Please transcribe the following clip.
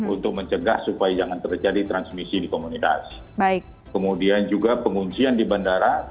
untuk mencegah supaya jangan terjadi transmisi di komunitas kemudian juga penguncian di bandara